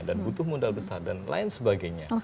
dan butuh modal besar dan lain sebagainya